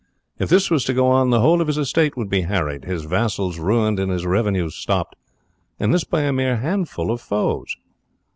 If this was to go on, the whole of his estate would be harried, his vassals ruined, and his revenues stopped, and this by a mere handful of foes.